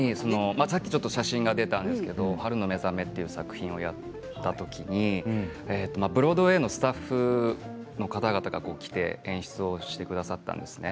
さっきちょっと写真が出たんですけど「春のめざめ」という作品をやった時にブロードウェイのスタッフの方々が来て演出をしてくださったんです。